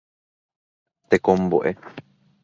Tekombo'e.